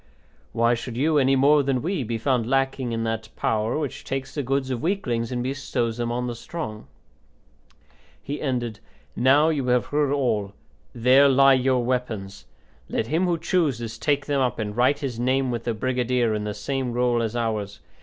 Why should you, any more than we, be found lacking in that power which takes the goods of weaklings and bestows them on the strong?" He ended: "Now you have heard all. There lie your weapons; let him who chooses take them up and write his name with the brigadier in the same roll as ours.